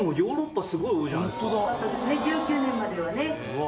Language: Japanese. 多かったですね１９年まではね。